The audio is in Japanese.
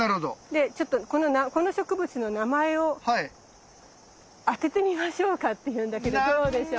でこの植物の名前を当ててみましょうかっていうんだけどどうでしょう？